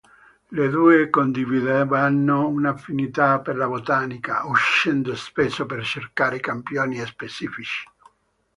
Le due condividevano una affinità per la botanica, uscendo spesso per cercare campioni specifici.